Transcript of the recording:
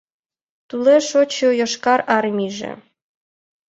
Тулеш шочшо Йошкар Армийже